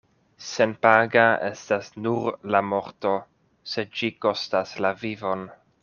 Senpaga estas nur la morto, sed ĝi kostas la vivon.